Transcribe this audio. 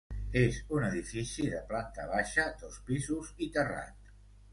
És un edifici de planta baixa, dos pisos i terrat.